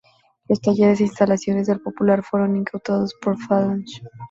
Los talleres e instalaciones de "El Popular" fueron incautados por Falange.